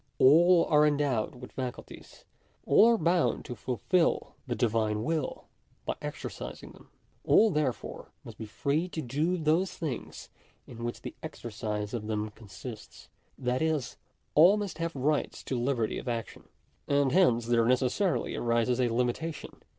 All are endowed with faculties. All are bound to fulfil the Divine will by exercising them. All therefore must be free to do those things in which the exercise of them consists. Tj^tfis, all must have rights to liberty of action. And hence there necessarily arises a limitation.